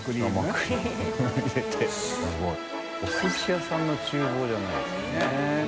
中澤）お寿司屋さんの厨房じゃないですよね。